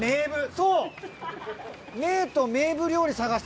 そう！